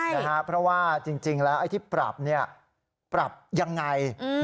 ใช่เพราะว่าจริงจริงแล้วไอ้ที่ปรับเนี้ยปรับยังไงอืม